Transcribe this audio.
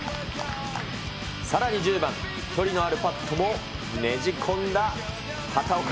さらに１０番、距離のあるパットもねじ込んだ畑岡。